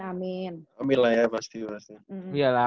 amin lah ya pasti